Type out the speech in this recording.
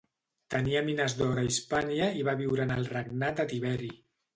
Tenia mines d'or a Hispània i va viure en el regnat de Tiberi.